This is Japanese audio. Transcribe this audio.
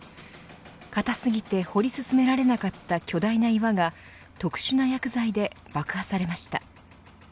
硬過ぎて掘り進められなかった巨大な岩が特殊な薬剤で爆破されました。